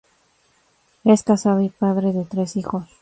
Es casado y padre de tres hijos.